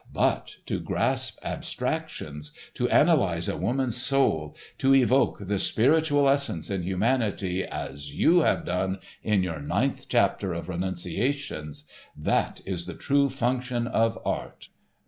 But to grasp abstractions, to analyse a woman's soul, to evoke the spiritual essence in humanity, as you have done in your ninth chapter of 'Renunciations'—that is the true function of art.